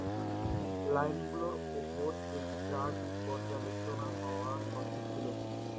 লাইনগুলোর ওপর এক বিরাট পর্যালোচনা হওয়ার কথা ছিল।